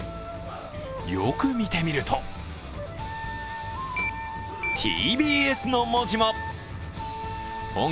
よく見てみると、「ＴＢＳ」の文字も。